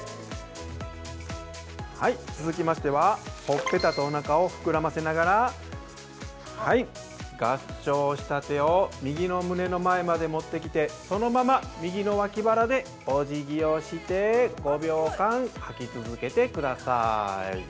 ◆続きましてはほっぺたとおなかを膨らませながら合掌した手を右の胸の前まで持ってきてそのまま右の脇腹でお辞儀をして５秒間、吐き続けてください。